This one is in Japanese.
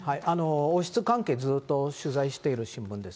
王室関係、ずっと取材している新聞です。